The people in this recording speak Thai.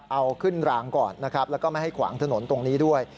เอาขึ้นรางก่อนนะครับแล้วก็ไม่ให้ขวางถนนตรงนี้ด้วย